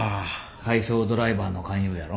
配送ドライバーの勧誘やろ？